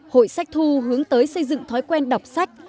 hội sách thu hướng tới xây dựng thói quen đọc sách